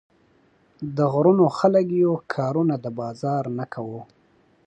د غرونو خلک يو، کارونه د بازار نۀ کوو